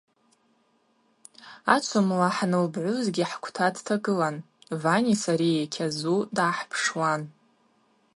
Ачвымла хӏынылбгӏузгьи хӏквта дтагылан, Вани сари кьазу дгӏахӏпшуан.